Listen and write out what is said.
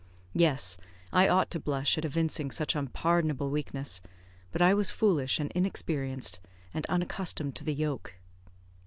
Yes, I ought to blush at evincing such unpardonable weakness; but I was foolish and inexperienced, and unaccustomed to the yoke.